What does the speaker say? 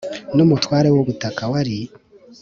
N umutware w ubutaka wari